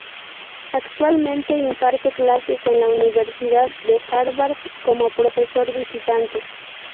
Actualmente imparte clases en la Universidad de Harvard como profesor visitante.